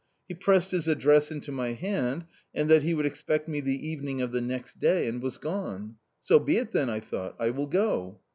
He pressed his address into my hand, said that he would expect me the evening of the next day, and was gone. ' So be it then,' I thought, 'I will go.'